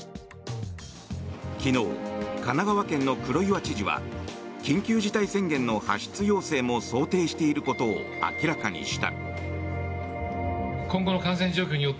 昨日、神奈川県の黒岩知事は緊急事態宣言の発出要請も想定していることを明らかにした。